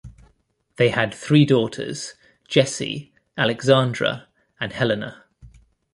They had three daughters: Jessie, Alexandra, and Helena.